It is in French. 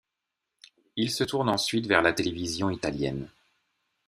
Il se tourne ensuite vers la télévision italienne.